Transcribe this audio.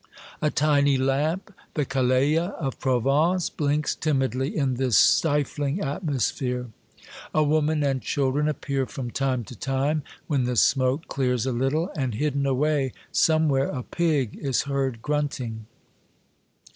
A tiny lamp, the caleil of Provence, blinks timidly in this stifling atmosphere. A woman and children appear from time to time, when the smoke clears a little, and hidden away somewhere a pig is heard grunting.